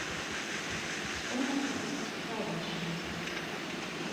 Што можа быць цікавейшым?